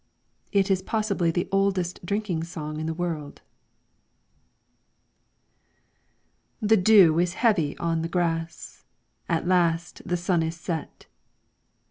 It is possibly the oldest drinking song in the world. The dew is heavy on the grass, At last the sun is set.